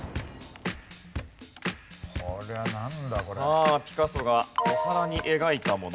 さあピカソがお皿に描いたもの。